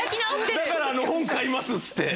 「だから本買います」っつって。